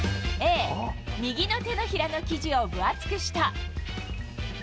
Ａ、右の手のひらの生地を分厚くした。